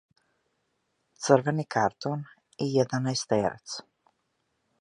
Црвени картон и једанаестерац.